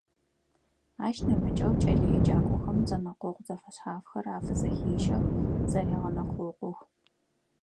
Ащ нэмыкӀэу кӀэлэеджакӀохэм зэнэкъокъу зэфэшъхьафхэр афызэхещэх, зэрегъэнэкъокъух.